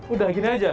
udah gini aja